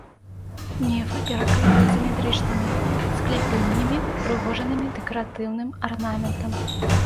Нефы перакрытыя цыліндрычнымі скляпеннямі, упрыгожанымі дэкаратыўным арнаментам.